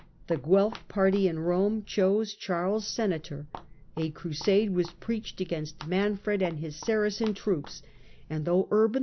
The Guelf party in Eome chose charges of Charles Senator, a Crusade was preached against Manfred ^^J^^ and his Saracen troops, and though Urban IV.